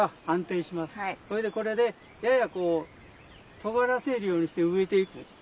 それでこれでややこうとがらせるようにして植えていく。